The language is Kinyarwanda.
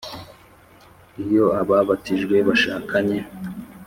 iyo ababatijwe bashakanye,